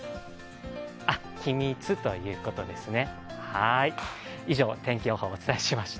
秘密ということですね。